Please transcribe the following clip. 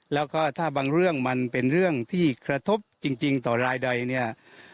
แล้วก็ถ้าบางเรื่องมันเป็นเรื่องที่กระทบจริงต่อรายใดเนี่ย